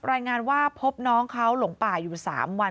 รายงานว่าพบน้องเขาหลงป่าอยู่๓วัน